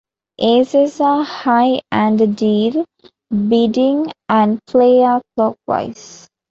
Aces are high and the deal, bidding and play are clockwise.